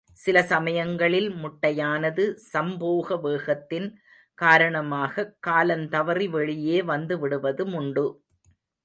சில சமயங்களில் முட்டையானது சம்போக வேகத்தின் காரணமாகக் காலந் தவறி வெளியே வந்து விடுவதுமுண்டு.